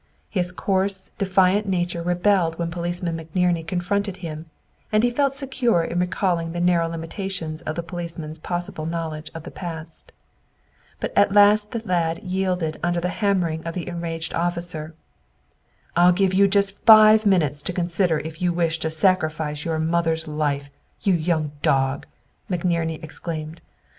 His coarse, defiant nature rebelled when Policeman McNerney confronted him, and he felt secure in recalling the narrow limitations of the policeman's possible knowledge of the past. But at last the lad yielded under the hammering of the enraged officer. "I'll give you just five minutes to consider if you wish to sacrifice your mother's life, you young dog," McNerney exclaimed.